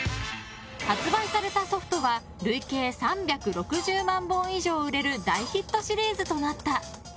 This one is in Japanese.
発売されたソフトは累計３６０万本以上売れる大ヒットシリーズとなった。